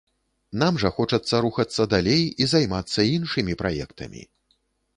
Нам жа хочацца рухацца далей і займацца іншымі праектамі.